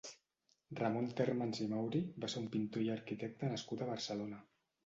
Ramon Térmens i Mauri va ser un pintor i arquitecte nascut a Barcelona.